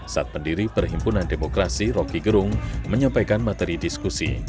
saat pendiri perhimpunan demokrasi rokigerung menyampaikan materi diskusi